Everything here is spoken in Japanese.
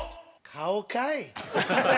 「顔かい！」。